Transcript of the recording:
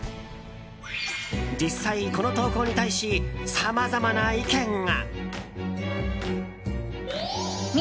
実際、この投稿に対しさまざまな意見が。